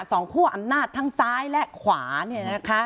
สองขัวอำนาจทั้งซ้ายและขวานี่นะคะ